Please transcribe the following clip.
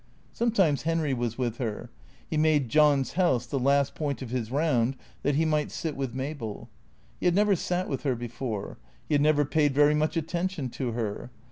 Sometimes Henry was with her. He made John's house the last point of his round that he might sit with Mabel. He had never sat with her before; he had never paid very much atten tion to her.